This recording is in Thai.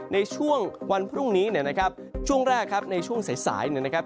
ในช่วงวันพรุ่งนี้ในช่วงแรกในช่วงใส